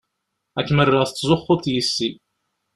Ad kem-rreɣ tettzuxxuḍ yess-i.